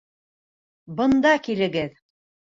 Бында килегеҙ!